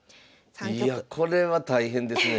いやこれは大変ですね。